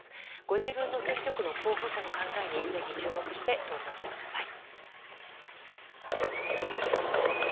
ご自分の選挙区の候補者の考えにぜひ、注目して投票してください。